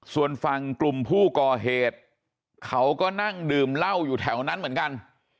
ส่วนฝั่งกลุ่มผู้ก่อเหตุเขาก็นั่งดื่มเหล้าอยู่แถวนั้นเหมือนกัน